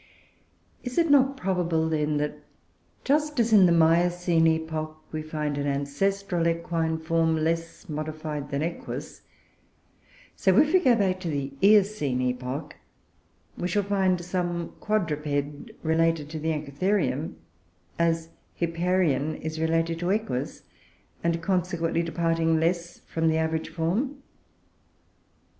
Is it not probable then, that, just as in the Miocene epoch, we find an ancestral equine form less modified than Equus, so, if we go back to the Eocene epoch, we shall find some quadruped related to the Anchitherium, as Hipparion is related to Equus, and consequently departing less from the average form?